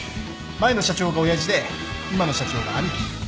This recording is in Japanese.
前の社長が親父で今の社長が兄貴。